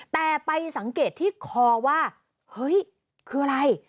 แต่ไปสังเกตที่คอว่าเฮ้ยคืออะไร